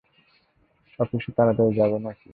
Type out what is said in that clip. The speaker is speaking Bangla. অফিসে তাড়াতাড়ি যাবে না কি?